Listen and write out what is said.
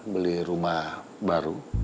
beli rumah baru